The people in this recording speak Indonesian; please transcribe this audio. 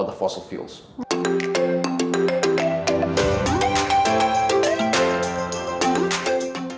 dan juga kekuatan udara